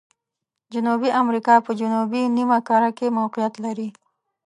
جنوبي امریکا په جنوبي نیمه کره کې موقعیت لري.